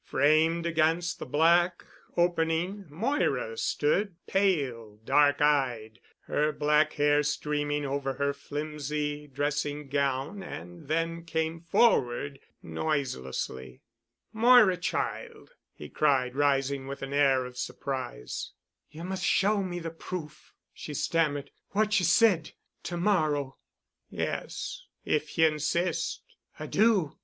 Framed against the black opening Moira stood, pale, dark eyed, her black hair streaming over her flimsy dressing gown, and then came forward noiselessly. "Moira, child——!" he cried, rising, with an air of surprise. "You must show me the proof——," she stammered, "what you said—to morrow." "Yes. If ye insist——" "I do.